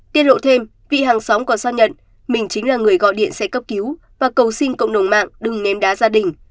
tiết lộ thêm vị hàng xóm còn xác nhận mình chính là người gọi điện xe cấp cứu và cầu xin cộng đồng mạng đừng ném đá gia đình